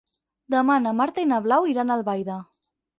Demà na Marta i na Blau iran a Albaida.